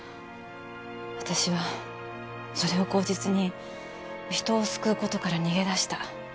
私はそれを口実に人を救うことから逃げ出した。